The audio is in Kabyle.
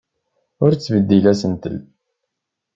Ur ttbeddil asentel.